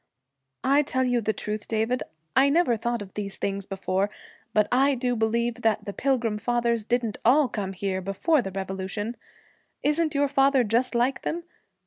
'I tell you the truth, David, I never thought of these things before, but I do believe that the Pilgrim Fathers didn't all come here before the Revolution. Isn't your father just like them?